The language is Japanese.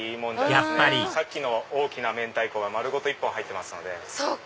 やっぱりさっきの大きな明太子が丸ごと１本入ってますので。